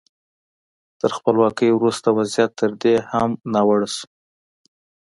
تر خپلواکۍ وروسته وضعیت تر دې هم ناوړه شو.